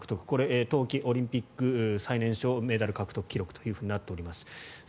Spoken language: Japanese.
これ、冬季オリンピック最年少メダル獲得記録となっております。